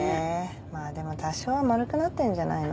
でも多少はまるくなってんじゃないの？